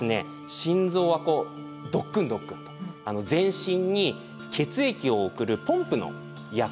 心臓はドックンドックンと全身に血液を送るポンプの役割をしているんですね。